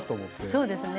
そうですね。